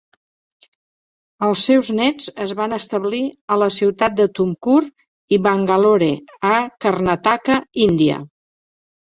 Els seus nets es van establir a les ciutat de Tumkur i Bangalore, a Karnataka, Índia.